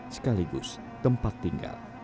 sekaligus tempat tinggal